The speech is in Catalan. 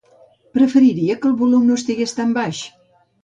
Preferiria que el volum no estigués tan baix.